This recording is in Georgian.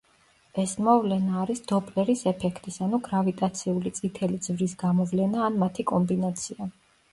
ეს მოვლენა არის დოპლერის ეფექტის ანუ გრავიტაციული წითელი ძვრის გამოვლენა ან მათი კომბინაცია.